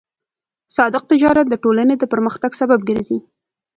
صادق تجارت د ټولنې د پرمختګ سبب ګرځي.